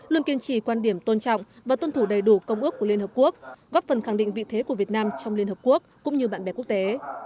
luôn kiên trì quan điểm tôn trọng và tuân thủ đầy đủ công ước của liên hợp quốc góp phần khẳng định vị thế của việt nam trong liên hợp quốc cũng như bạn bè quốc tế